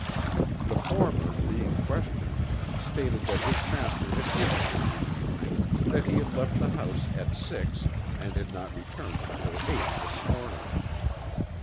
The former, being questioned, stated that his master had given him the evening, that he had left the house at six and had not returned until eight this morning.